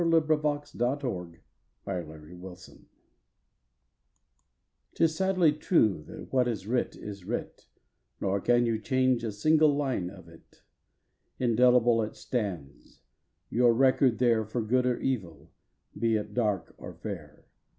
March Eighteenth REDEMPTION S sadly true that what is writ is writ, Nor can you change a single line of it. Indelible it stands, your record there For good or evil, be it dark or fair.